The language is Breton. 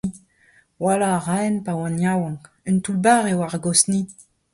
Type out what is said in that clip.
Hoalañ a raen pa oan yaouank. Un toull-bac'h eo ar gozhni !